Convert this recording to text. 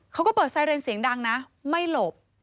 เขาก็เปิดไซเรนเสียงดังนะไม่หลบ